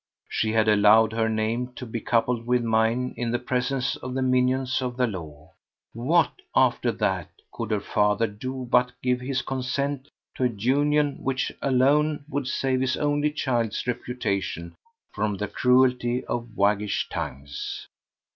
She had allowed her name to be coupled with mine in the presence of the minions of the law. What, after that, could her father do but give his consent to a union which alone would save his only child's reputation from the cruelty of waggish tongues?